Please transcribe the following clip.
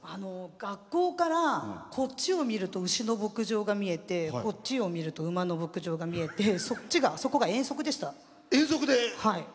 学校からこっちを見ると牛の牧場が見えてこっちを見ると馬の牧場が見えてそこが遠足でした。